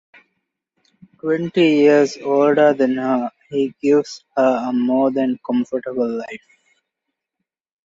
Twenty years older than her, he gives her a more than comfortable life.